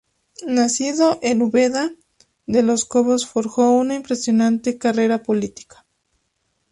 Nacido en Úbeda, De los Cobos forjó una impresionante carrera política.